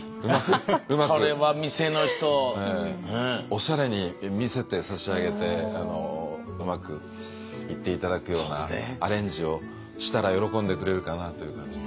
おしゃれに見せてさしあげてうまくいって頂くようなアレンジをしたら喜んでくれるかなという感じ。